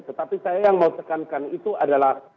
tetapi saya yang mau tekankan itu adalah